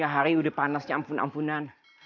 hari ini udah panas ya ampun ampunan